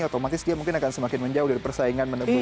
otomatis dia mungkin akan semakin menjauh dari persaingan menebus